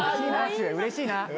うれしいな。